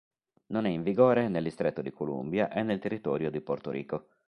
Non è in vigore nel Distretto di Columbia e nel territorio di Porto Rico.